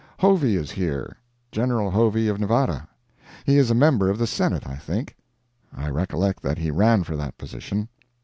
Hovey is here. General Hovey of Nevada. He is a member of the Senate, I think. I recollect that he ran for that position.